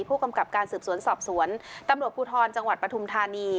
ผู้กำกับการสืบสวนสอบสวนตำรวจภูทรจังหวัดปฐุมธานี